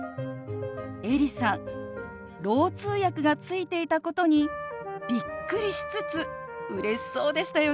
エリさんろう通訳がついていたことにびっくりしつつうれしそうでしたよね。